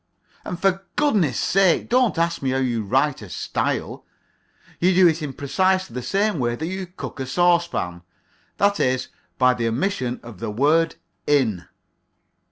And for goodness sake don't ask me how you write a style. You do it in precisely the same way that you cook a saucepan that is, by the omission of the word "in."